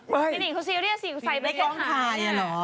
พี่หนิงเขาซีเรียสอีกใส่ไปก็หาย